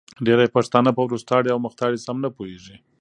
ډېری پښتانه په وروستاړې او مختاړې سم نه پوهېږې